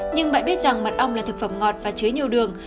nhưng bạn biết rằng mật ong là thực phẩm ngọt và chứa nhiều đường